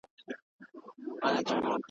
د هر چا عیب ته یې دوې سترګي نیولي .